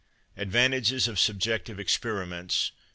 ADVANTAGES OF SUBJECTIVE EXPERIMENTS.